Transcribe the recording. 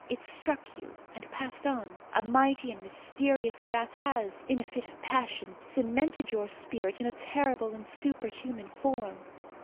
It struck you and passed on. A mighty and mysterious wrath has, in a fit of passion, cemented your spirit in a terrible and superhuman form.